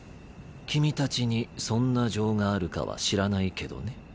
君たちにそんな情があるかは知らないけどね。